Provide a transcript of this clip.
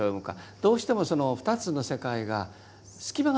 どうしてもその２つの世界が隙間ができてくる。